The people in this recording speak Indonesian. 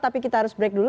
tapi kita harus break dulu